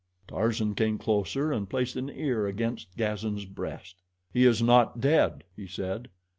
Tarzan came closer and placed an ear against Gazan's breast. "He is not dead," he said.